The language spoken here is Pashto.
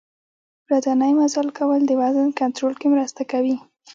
ورځنی مزل کول د وزن کنترول کې مرسته کوي.